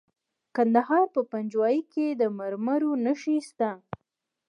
د کندهار په پنجوايي کې د مرمرو نښې شته.